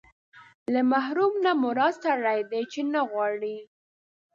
له محروم نه مراد سړی دی چې نه غواړي.